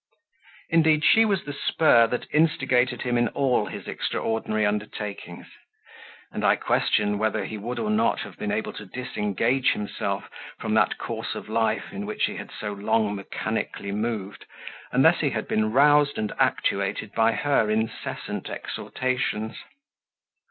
Indeed, she was the spur that instigated him in all his extraordinary undertakings; and I question, whether he would or not have been able to disengage himself from that course of life in which he had so long mechanically moved, unless he had been roused and actuated by her incessant exhortations.